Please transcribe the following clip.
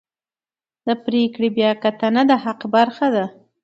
د پرېکړې بیاکتنه د حق برخه ده.